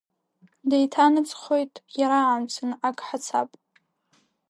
Деиҭанаҵхоит иара амца, ак ҳасаб.